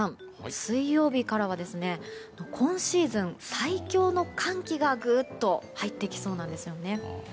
水曜日からは今シーズン最強の寒気がぐっと入ってきそうなんですね。